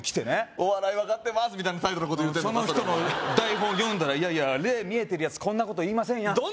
「お笑い分かってます」みたいな態度のこと言うてんのかその人の台本読んだら霊見えてるやつこんなこと言いませんやん